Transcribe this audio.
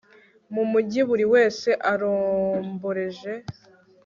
mu mugi buri wese aromboreje